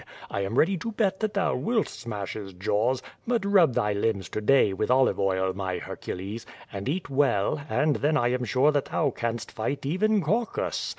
I am ready to bet that thou wilt smash his jaws, but rub thy limbs to day with olive oil, my Hercules, and eat well and then I am sure that thou canst fight even Caucus.